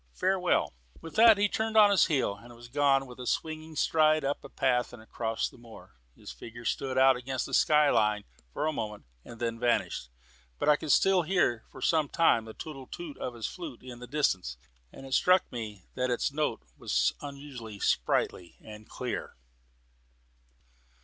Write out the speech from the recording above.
Farewell!" With that he turned on his heel and was gone with a swinging stride up the path and across the moor. His figure stood out upon the sky line for a moment, and then vanished. But I could hear for some time the tootle tootle of his flute in the distance, and it struck me that its note was unusually sprightly and clear.